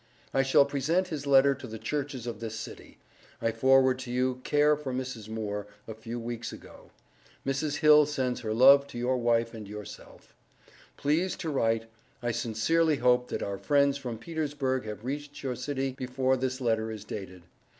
I shall Present his letter to the churches of this city. I forward to your care for Mrs. Moore, a few weeks ago. Mrs. Hill sends her love to your wife and yourself. Please to write, I Sincerely hope that our friends from Petersburg have reached your city before this letter is dated.